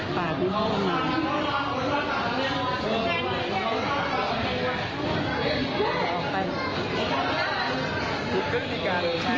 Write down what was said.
ไปไหนล่ะ